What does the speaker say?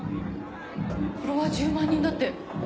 フォロワー１０万人だって。